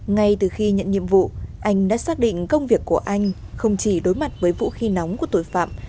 ngay từ khi nhận nhiệm vụ anh đã xác định công việc của anh không chỉ đối mặt với vũ khí nóng của tội phạm